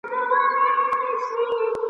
پر سرو سکروټو پر اغزیو د بېدیا راځمه !.